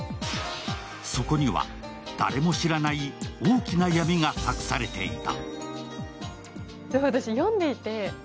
そこには誰も知らない大きな闇が隠されていた。